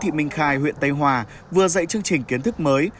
tỉnh tây hòa vừa dạy chương trình kiến thức mới